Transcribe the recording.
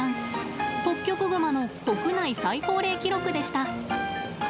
ホッキョクグマの国内最高齢記録でした。